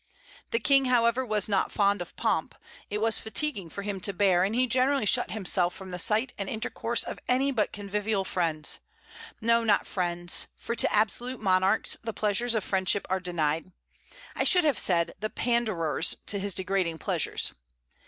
The King, however, was not fond of pomp; it was fatiguing for him to bear, and he generally shut himself from the sight and intercourse of any but convivial friends, no, not friends, for to absolute monarchs the pleasures of friendship are denied; I should have said, the panderers to his degrading pleasures.